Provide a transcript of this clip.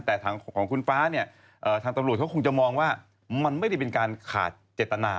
แต่ทางของคุณฟ้าเนี่ยทางตำรวจเขาคงจะมองว่ามันไม่ได้เป็นการขาดเจตนา